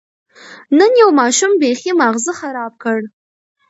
نن یو ماشوم بېخي ماغزه خراب کړ.